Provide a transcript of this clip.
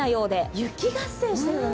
雪合戦してるのね。